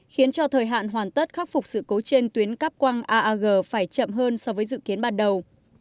khiến cho thời hạn hoàn tất khắc phục sự cố trên tuyến cắp quăng aag phải chậm hơn so với dự kiến ban đầu